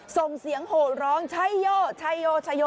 ส่งเสียงโหล้ร้องช่ายโอ